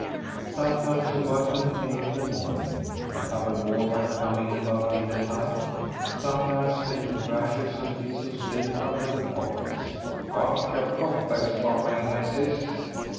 Sometimes a workman came in the morning; a couple more might come in about dinner time. Sometimes they took rashers and bits of steak out of their pockets. "Won't you cook this for me, missis?"